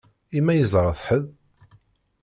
I ma yeẓṛa-t ḥedd?